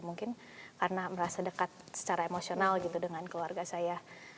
mungkin karena merasa dekat secara emosional gitu dengan keluarga saya